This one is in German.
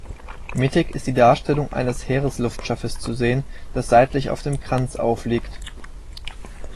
Mittig ist die Darstellung eines Heeres-Luftschiffes zu sehen, das seitlich auf dem Kranz aufliegt.